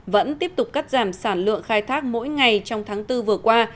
vẫn tiếp tục cắt giảm sản lượng khai thác mỗi ngày trong tháng bốn vừa qua